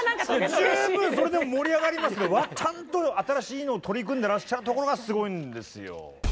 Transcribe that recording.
十分それでも盛り上がりますけどちゃんと新しいのを取り組んでらっしゃるところがすごいんですよ。